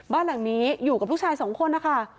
บ้านหลังนี้อยู่กับลูกชายสองคนนะคะ